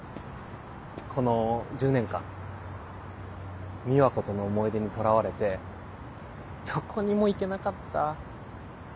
この１０年間美和子との思い出にとらわれてどこにも行けなかった。